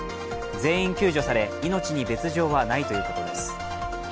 全員救助され命に別状はないということです。